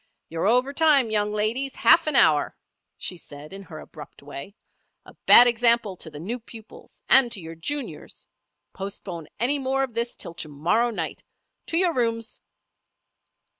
"You're over time, young ladies, half an hour," she said in her abrupt way. "A bad example to the new pupils, and to your juniors. Postpone any more of this till to morrow night. To your rooms!"